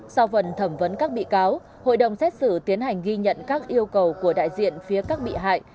sau phần thẩm vấn các bị cáo hội đồng xét xử tiến hành ghi nhận các yêu cầu của đại diện phía các bị hại